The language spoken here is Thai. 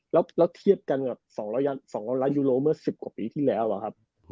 แล้วเทียบกันกับ๒๐๐ล้านยูโรเมื่อ๑๐กว่าปีที่แล้วอะครับ